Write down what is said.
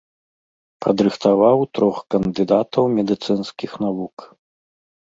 Падрыхтаваў трох кандыдатаў медыцынскіх навук.